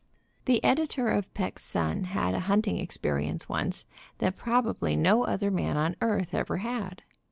The editor of Peck's Sun had a hunting experience once that probably no other man on earth ever had.